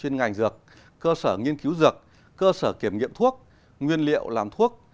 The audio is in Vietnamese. ngành dược cơ sở nghiên cứu dược cơ sở kiểm nghiệm thuốc nguyên liệu làm thuốc